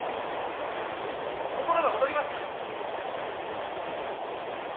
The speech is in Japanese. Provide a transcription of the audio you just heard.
心が躍りました！